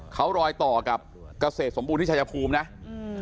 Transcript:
เขารอยต่อกับเกษตรสมบูรณที่ชายภูมินะอืม